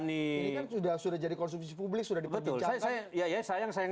ini kan sudah jadi konsumsi publik sudah diperbincangkan